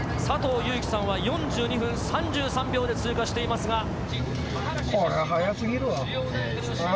佐藤悠基さんは４２分３３秒で通過していますが。